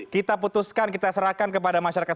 kita putuskan kita serahkan kepada masyarakat